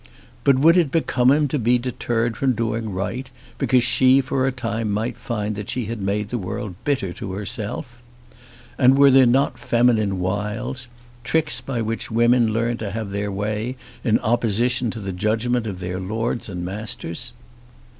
But would it become him to be deterred from doing right because she for a time might find that she had made the world bitter to herself? And were there not feminine wiles, tricks by which women learn to have their way in opposition to the judgment of their lords and masters?